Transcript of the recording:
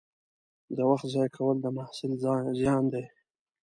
د وخت ضایع کول د محصل زیان دی.